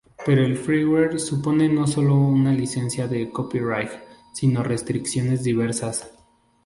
Pero el freeware presupone no solo una licencia de copyright sino restricciones diversas.